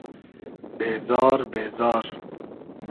بېزار بېزار